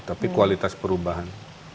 tapi kualitas perubahan